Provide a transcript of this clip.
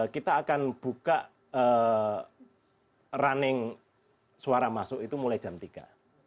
kita akan buka running suara masuk itu mulai jam tiga